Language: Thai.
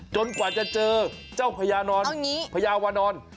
กว่าจะเจอเจ้าพญานอนพญาวานอน